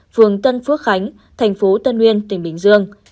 phường tân phước khánh thành phố tân nguyên tỉnh bình dương